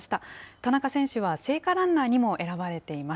田中選手は聖火ランナーにも選ばれています。